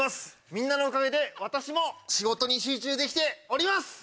みんなのおかげで私も仕事に集中できております！